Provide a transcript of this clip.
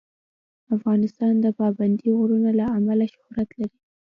افغانستان د پابندی غرونه له امله شهرت لري.